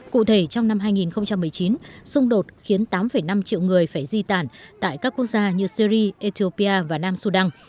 cụ thể trong năm hai nghìn một mươi chín xung đột khiến tám năm triệu người phải di tản tại các quốc gia như syri ethiopia và nam sudan